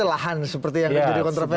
lahan seperti yang menjadi kontroversi